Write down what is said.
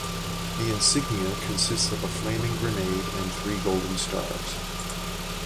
The insignia consists of a flaming grenade and three golden stars.